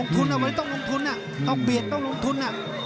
ทุนเอาไว้ต้องลงทุนต้องเบียดต้องลงทุน